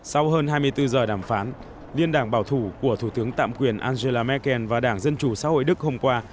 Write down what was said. sau hơn hai mươi bốn giờ đàm phán liên đảng bảo thủ của thủ tướng tạm quyền angela merkel và đảng dân chủ xã hội đức hôm qua